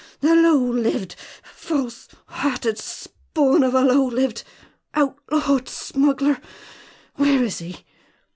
the low lived, false hearted spawn of a low lived, outlawed smuggler. Where is he?